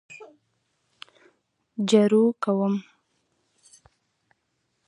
جارو کوم